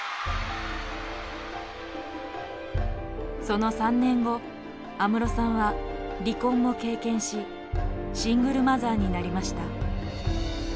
その３年後安室さんは離婚を経験しシングルマザーになりました。